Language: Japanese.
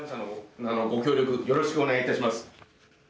ご協力よろしくお願いいたします。